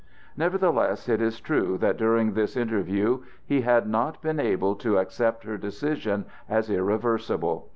Nevertheless, it is true that during this interview he had not been able to accept her decision as irreversible.